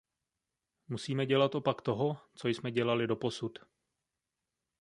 Musíme dělat opak toho, co jsme dělali doposud.